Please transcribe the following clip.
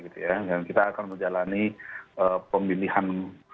dan kita akan menjalani pemilihan